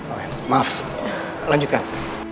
oke maaf lanjutkan